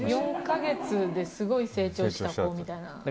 ４か月ですごい成長した子みたいな。